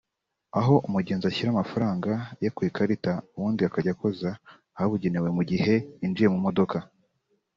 aho umugenzi ashyira amafaranga ye ku ikarita ubundi akajya akoza ahabugenewe mu gihe yinjiye mu modoka